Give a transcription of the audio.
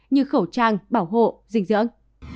như khẩu trang bảo hộ dinh dưỡng